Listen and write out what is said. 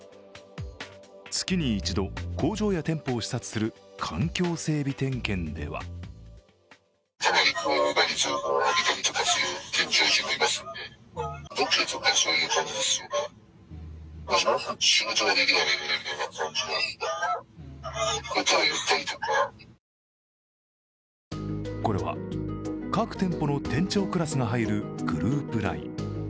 月に一度、工場や店舗を視察する環境整備点検ではこれは各店舗の店長クラスが入るグループＬＩＮＥ。